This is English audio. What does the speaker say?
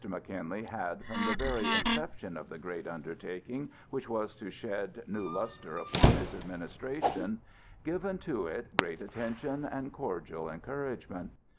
McKinley had, from the very inception of the great undertaking which was to shed new lustre upon his administration, given to it great attention and cordial encouragement.